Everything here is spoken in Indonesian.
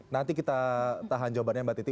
nanti kita tahan jawabannya mbak titi